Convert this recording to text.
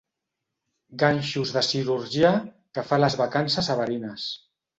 Ganxos de cirurgià que fa les vacances a Verines.